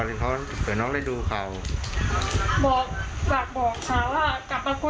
แล้วสงสารลูกไหมลูกอาจจะ